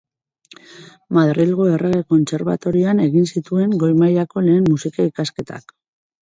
Madrilgo Errege Kontserbatorioan egin zituen goi mailako lehen musika ikasketak.